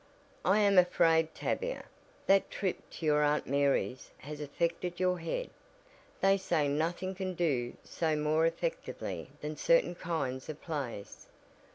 "I am afraid Tavia, that trip to your Aunt Mary's has affected your head; they say nothing can do so more effectively than certain kinds of plays."